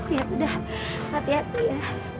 ya udah hati hati ya